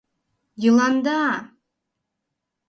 — Йыланда!